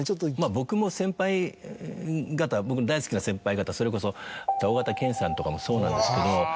僕も先輩方僕の大好きな先輩方それこそ緒形拳さんとかもそうなんですけど。